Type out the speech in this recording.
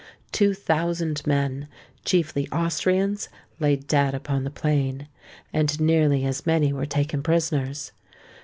Two thousand men—chiefly Austrians—lay dead upon the plain; and nearly as many were taken prisoners.